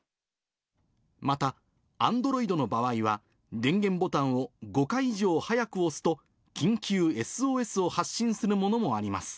また、アンドロイドの場合は、電源ボタンを５回以上、早く押すと、緊急ＳＯＳを発信するものもあります。